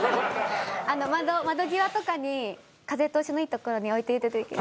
窓窓際とかに風通しのいい所に置いていただけたら。